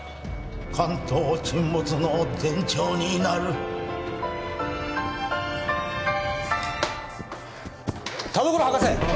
関東沈没の前兆になる田所博士！